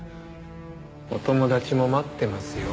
お友達も待ってますよ。